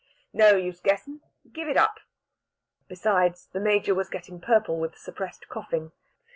No use guessin' give it up." Besides, the Major was getting purple with suppressed coughing.